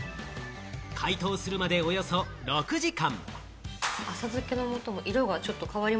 解凍をするまでおよそ６時間。